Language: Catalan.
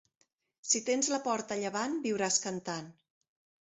Si tens la porta a llevant viuràs cantant.